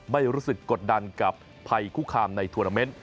ไม่รู้สึกกดดันกับภัยคุกคามในทวนาเมนต์